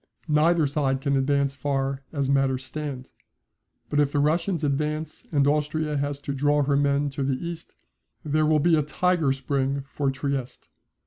Neither side can advance far as matters stand. But if the Russians advance and Austria has to draw her men to the East, there will be a tiger spring for Trieste.